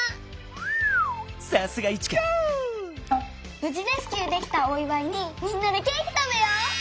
ぶじレスキューできたおいわいにみんなでケーキたべよう。